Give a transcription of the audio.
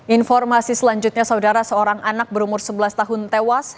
informasi selanjutnya saudara seorang anak berumur sebelas tahun tewas